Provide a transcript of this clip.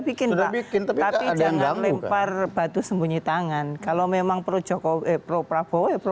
bikin tapi tapi jangan lempar batu sembunyi tangan kalau memang pro jokowi pro prabowo